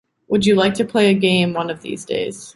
Would you like to play a game one of these days?